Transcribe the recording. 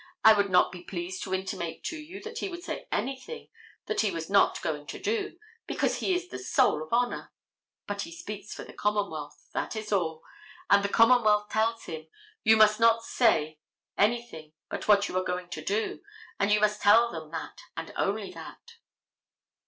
I would not be pleased to intimate to you that he would say anything that he was not going to do, because he is the soul of honor. But he speaks for the commonwealth, that is all, and the commonwealth tells him: "You must not say anything but what you are going to do and you must tell them that and that only."